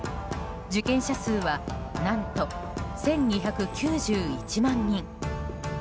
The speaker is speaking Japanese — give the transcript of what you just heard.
受験者数は何と１２９１万人。